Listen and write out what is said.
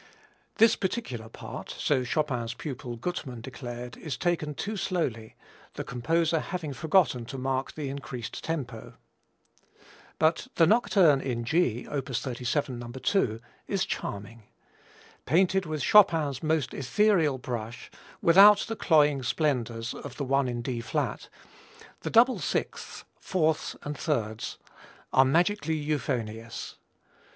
This particular part, so Chopin's pupil Gutmann declared, is taken too slowly, the composer having forgotten to mark the increased tempo. But the Nocturne in G, op. 37, No. 2, is charming. Painted with Chopin's most ethereal brush, without the cloying splendors of the one in D flat, the double sixths, fourths and thirds are magically euphonious.